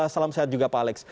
salam sehat juga pak alex